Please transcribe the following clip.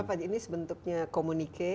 ini sebentuknya komunike